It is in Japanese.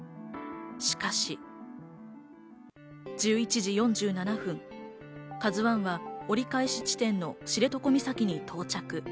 しかし、１１時４７分、「ＫＡＺＵ１」は折り返し地点の知床岬に到着。